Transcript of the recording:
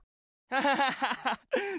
アハハハハ！